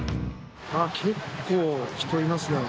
結構、人いますね。